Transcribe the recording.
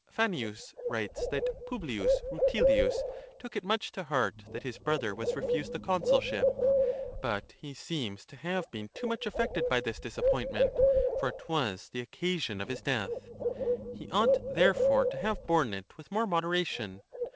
— Fannius writes that P. Rutilius took it much to heart that his brother was refused the consulship; but he seems to have been too much af fected by this disappointment, for it was the occasion of his death: he ought, therefore, to have borne it with more moderation.